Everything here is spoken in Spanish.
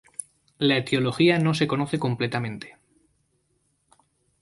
La etiología no se conoce completamente.